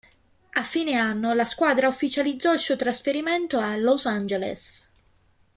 A fine anno, la squadra ufficializzò il suo trasferimento a Los Angeles.